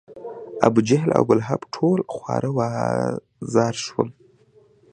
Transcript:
ابوجهل او ابولهب ټول خوار و زار شول.